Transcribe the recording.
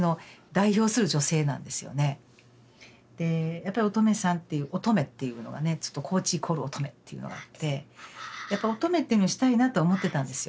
やっぱりおとめさんっていうおとめっていうのはね高知イコールおとめっていうのがあってやっぱ「おとめ」っていうのにしたいなとは思ってたんですよ。